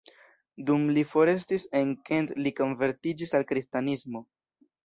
Dum li forestis en Kent li konvertiĝis al kristanismo.